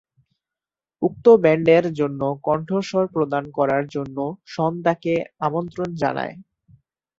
উক্ত ব্যান্ডের জন্য কণ্ঠস্বর প্রদান করার জন্য সন তাকে আমন্ত্রণ জানায়।